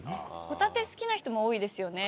ホタテ好きな人も多いですよね。